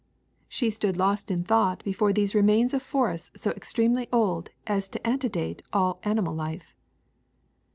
She stood lost in thought before these remains of forests so extremely old as to antedate all animal life.